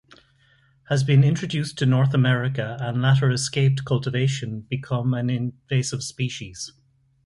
Has been introduced to North America and latter escaped cultivation become an invasive species.